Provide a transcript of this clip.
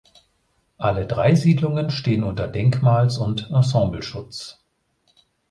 Alle drei Siedlungen stehen unter Denkmals- und Ensembleschutz.